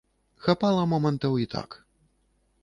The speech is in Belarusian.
Хапала момантаў і так.